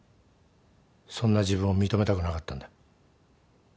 そんな自分を認めたくなかったんだ。